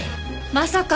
まさか。